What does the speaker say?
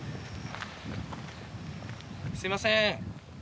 すみません。